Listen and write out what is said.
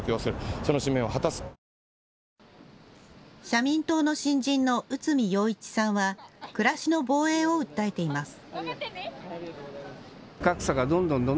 社民党の新人の内海洋一さんは暮らしの防衛を訴えています。